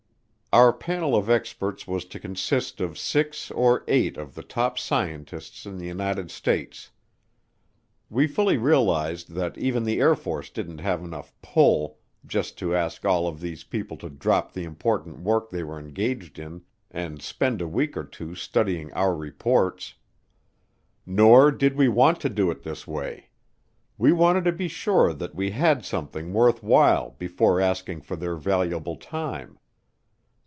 Our panel of experts was to consist of six or eight of the top scientists in the United States. We fully realized that even the Air Force didn't have enough "pull" just to ask all of these people to drop the important work they were engaged in and spend a week or two studying our reports. Nor did we want to do it this way; we wanted to be sure that we had something worth while before asking for their valuable time.